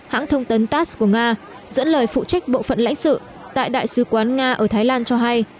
hãng thông tấn tass của nga dẫn lời phụ trách bộ phận lãnh sự tại đại sứ quán nga ở thái lan cho hay